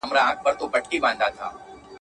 دونه لا نه یم لیونی هوښیاروې مي ولې.